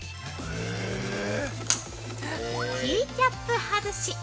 キーキャップ外し。